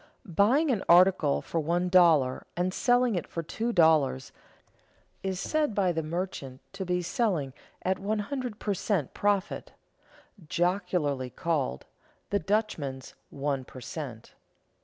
_ Buying an article for one dollar and selling it for two dollars, is said by the merchant to be selling at one hundred per cent. profit, jocularly called, "The Dutchman's one per cent."